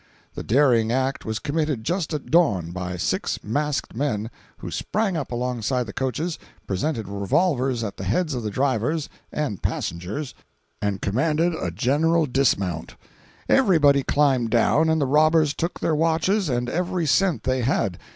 The daring act was committed just at dawn, by six masked men, who sprang up alongside the coaches, presented revolvers at the heads of the drivers and passengers, and commanded a general dismount. Everybody climbed down, and the robbers took their watches and every cent they had.